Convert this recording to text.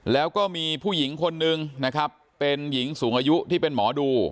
แล้วก็มีผู้หญิงคนนึงนะครับเป็นหญิงสูงอายุที่เป็นหมอดู